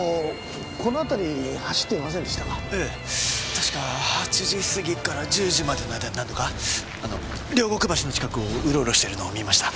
確か８時過ぎから１０時までの間に何度か両国橋の近くをうろうろしているのを見ました。